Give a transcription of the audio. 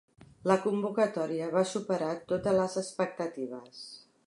La convocatòria va superar totes les expectatives.